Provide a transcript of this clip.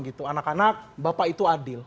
gitu anak anak bapak itu adil